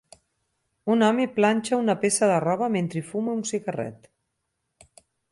Un home planxa una peça de roba mentre fuma un cigarret.